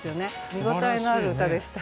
見応えのある歌でした。